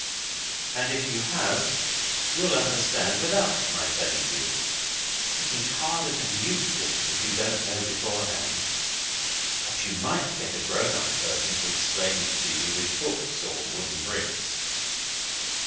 And if you have, you'll understand without my telling you. It is harder than Euclid if you don't know beforehand. But you might get a grown up person to explain it to you with books or wooden bricks.